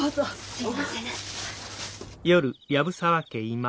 すいません。